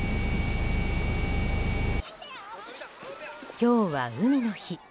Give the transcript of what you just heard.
今日は海の日。